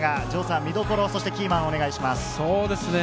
見どころ、キーマン、お願いします。